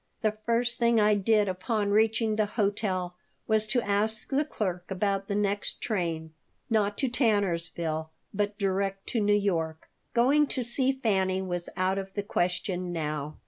The first thing I did upon reaching the hotel was to ask the clerk about the next train not to Tannersville, but direct to New York. Going to see Fanny was out of the question now.